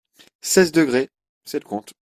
Seize degrés ; c’est le compte.